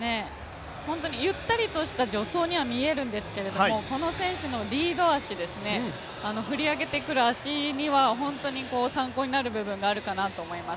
ゆったりとした助走に見えるんですけど、この選手のリード足振り上げてくる足には本当に参考になる部分があるかなと思います。